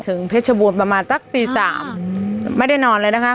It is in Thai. เพชรบูรณ์ประมาณสักตีสามไม่ได้นอนเลยนะคะ